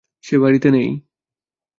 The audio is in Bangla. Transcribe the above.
সে বাড়িতে নেই।